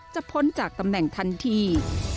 พ้นจากตำแหน่งทันที